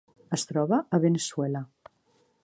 Es troba a Veneçuela.